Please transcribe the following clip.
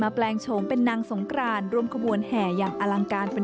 แปลงโฉมเป็นนางสงกรานรวมขบวนแห่อย่างอลังการเป็น